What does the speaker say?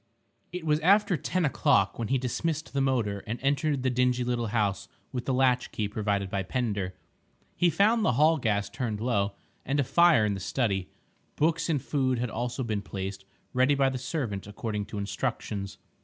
It was after ten o'clock when he dismissed the motor and entered the dingy little house with the latchkey provided by Pender. He found the hall gas turned low, and a fire in the study. Books and food had also been placed ready by the servant according to instructions.